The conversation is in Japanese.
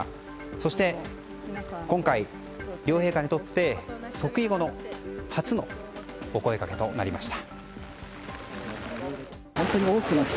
そして、今回両陛下にとって即位後初のお声掛けとなりました。